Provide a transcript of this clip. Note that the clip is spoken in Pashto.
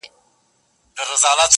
• حتماً یې دا شعر هم لوستی دی -